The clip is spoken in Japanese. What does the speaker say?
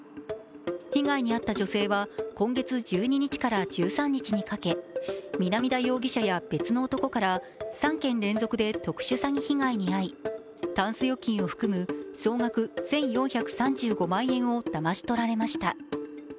被害に遭った女性は今月１２日から１３日にかけ南田容疑者や別の男から３件連続で特殊詐欺被害に遭い、たんす預金を含む総額１４３５万円をだまし取られました。